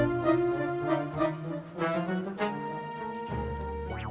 geng mas dia lama sudah lipat pukul enam jam